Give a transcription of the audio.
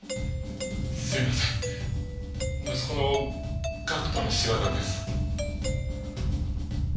すいません息子の岳人の仕業です。